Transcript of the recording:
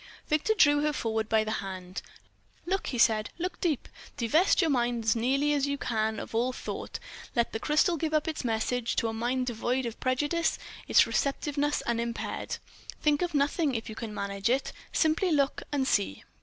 Victor drew her forward by the hand. "Look," he said "look deep! Divest your mind as nearly as you can of all thought—let the crystal give up its message to a mind devoid of prejudice, its receptiveness unimpaired. Think of nothing, if you can manage it—simply look and see."